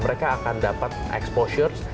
mereka akan dapat exposure